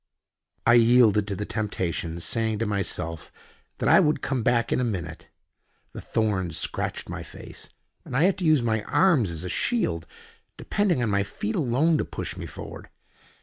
I yielded to the temptation, saying to myself that I would come back in a minute. The thorns scratched my face, and I had to use my arms as a shield, depending on my feet alone to push me forward.